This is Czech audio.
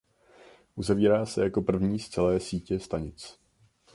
Uzavírá se jako první z celé sítě stanic.